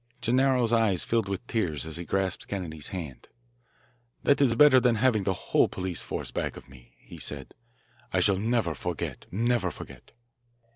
Gennaro's eyes filled with tears as he grasped Kennedy's hand. "That is better than having the whole police force back of me," he said. "I shall never forget, never forget."